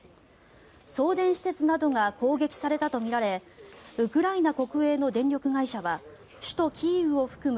送電施設などが攻撃されたとみられウクライナ国営の電力会社は首都キーウを含む